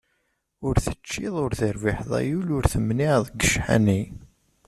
Ur teččiḍ, ur terbiḥeḍ ay ul, ur temniɛeḍ seg ccḥani.